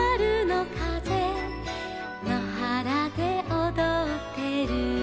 「のはらでおどってる」